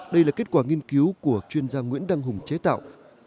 đây là kết quả nghiên cứu của chuyên gia nguyễn đăng hùng chế tạo